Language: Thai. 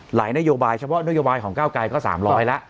หลายนโยบายเฉพาะนโยบายของก้าวกลายก็๓๐๐ละ